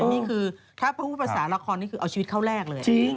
นี่คือถ้าพูดภาษาละครนี่คือเอาชีวิตเข้าแรกเลย